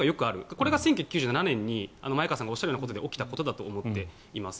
これが１９９７年に前川さんがおっしゃるようなことで起きたと思っています。